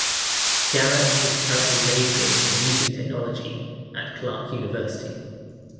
Garrett is currently majoring in music technology at Clark University.